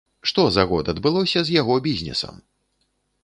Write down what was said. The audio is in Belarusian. Што за год адбылося з яго бізнесам?